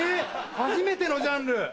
初めてのジャンル！